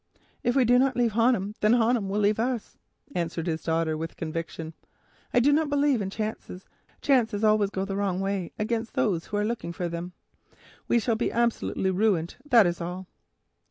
"If we do not leave Honham, then Honham will leave us," answered his daughter, with conviction. "I do not believe in chances. Chances always go the wrong way—against those who are looking for them. We shall be absolutely ruined, that is all."